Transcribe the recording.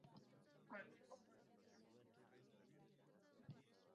Cualquier componente mecánico poseerá inevitablemente masa y rigidez.